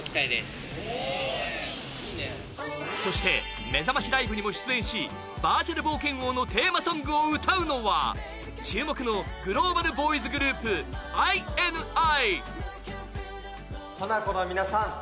そしてめざましライブにも出演しバーチャル冒険王のテーマソングを歌うのは注目のグローバルボーイズグループＩＮＩ。